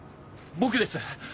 僕です！